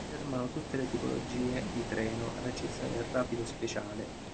Fermano tutte le tipologie di treno ad eccezione del "Rapido Speciale".